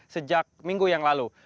sejak minggu yang lalu